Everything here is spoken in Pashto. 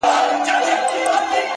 چي ستا تر تورو غټو سترگو اوښكي وڅڅيږي؛